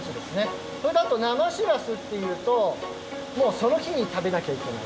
それであとなましらすっていうともうそのひに食べなきゃいけない。